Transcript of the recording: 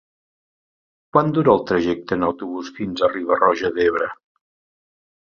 Quant dura el trajecte en autobús fins a Riba-roja d'Ebre?